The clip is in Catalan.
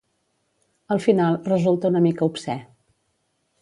Al final, resulta una mica obscè.